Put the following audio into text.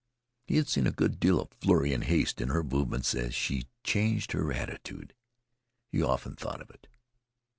He had seen a good deal of flurry and haste in her movement as she changed her attitude. He often thought of it.